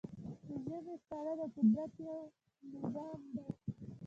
د ژمی ساړه د قدرت یو نظام دی.